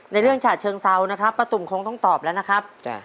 ในเรื่องฉะเชิงเซานะครับป้าตุ๋มคงต้องตอบแล้วนะครับ